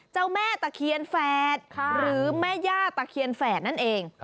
เจ้าแม่ตะเคียนแฝดหรือแม่ย่าตะเคียนแฝดนั่นเอง